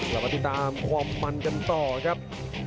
เรามาติดตามความมันกันต่อครับ